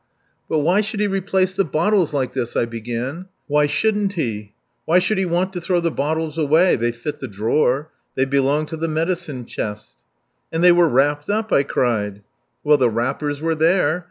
"But why should he replace the bottles like this?" ... I began. "Why shouldn't he? Why should he want to throw the bottles away? They fit the drawer. They belong to the medicine chest." "And they were wrapped up," I cried. "Well, the wrappers were there.